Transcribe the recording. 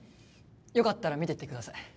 よかったら見ていってください。